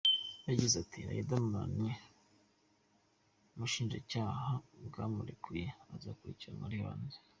Yagize ati: “ Riderman ubushinjacyaha bwamurekuye, azakurikiranwa ari hanze.